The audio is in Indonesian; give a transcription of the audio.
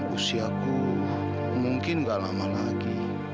usiaku mungkin gak lama lagi